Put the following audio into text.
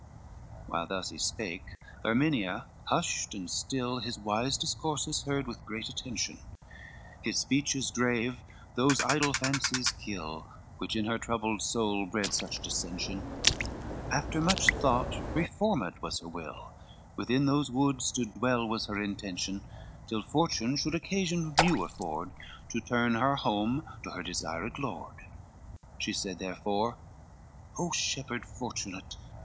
XIV While thus he spake, Erminia hushed and still His wise discourses heard, with great attention, His speeches grave those idle fancies kill Which in her troubled soul bred such dissension; After much thought reformed was her will, Within those woods to dwell was her intention, Till Fortune should occasion new afford, To turn her home to her desired lord. XV She said therefore, "O shepherd fortunate!